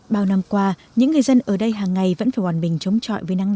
bao năm qua những người dân ở đây hàng ngày vẫn phải hoàn bình chống trọi với nắng nóng